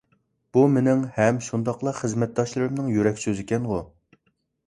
بۇ مېنىڭ ھەم شۇنداقلا خىزمەتداشلىرىمنىڭ يۈرەك سۆزىكەنغۇ!